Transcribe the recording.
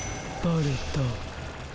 バレた？